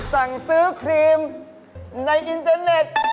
สั่งซื้อครีมในอินเทอร์เน็ต